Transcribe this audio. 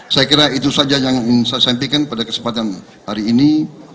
saya kira itu saja yang ingin saya sampaikan pada kesempatan hari ini